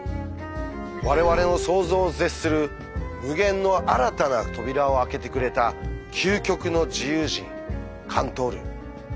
我々の想像を絶する無限の新たな扉を開けてくれた究極の自由人カントール。